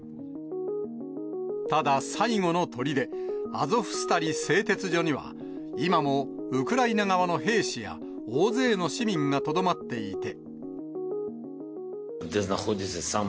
ただ、最後のとりで、アゾフスタリ製鉄所には、今もウクライナ側の兵士や、大勢の市民がとどまっていて。